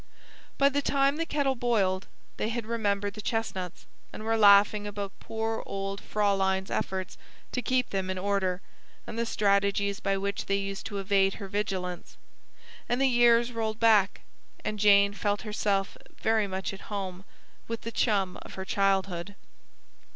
By the time the kettle boiled, they had remembered the chestnuts, and were laughing about poor old Fraulein's efforts to keep them in order, and the strategies by which they used to evade her vigilance. And the years rolled back, and Jane felt herself very much at home with the chum of her childhood.